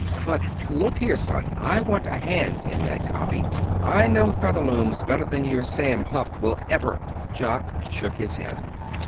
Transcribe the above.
"But look here, son. I want a hand in that copy. I know Featherlooms better than your Sam Hupp will ever " Jock shook his head.